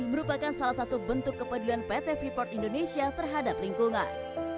merupakan salah satu bentuk kepedulian pt freeport indonesia terhadap lingkungan